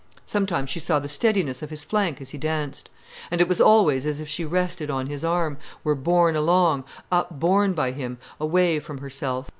Sometimes she saw the steadiness of his flank as he danced. And it was always as if she rested on his arm, were borne along, upborne by him, away from herself.